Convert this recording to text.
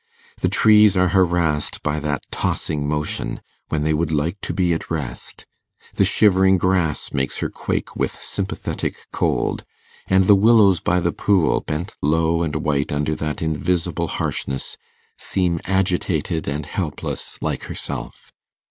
The trees are harassed by that tossing motion, when they would like to be at rest; the shivering grass makes her quake with sympathetic cold; and the willows by the pool, bent low and white under that invisible harshness, seem agitated and helpless like herself.